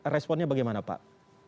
responnya bagaimana pak